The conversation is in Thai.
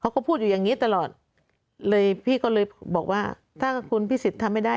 เขาก็พูดอยู่อย่างงี้ตลอดเลยพี่ก็เลยบอกว่าถ้าคุณพิสิทธิ์ทำไม่ได้